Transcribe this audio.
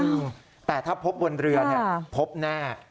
จริงแต่ถ้าพบบนเรือพบแน่